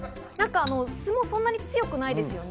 酢もそんなに強くないですね。